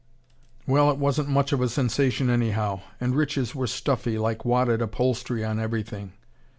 Well, it wasn't much of a sensation anyhow: and riches were stuffy, like wadded upholstery on everything.